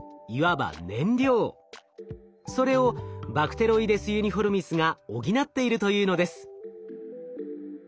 それをバクテロイデス・ユニフォルミスが補っているというのです。